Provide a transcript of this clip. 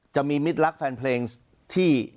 มิตรรักแฟนเพลงที่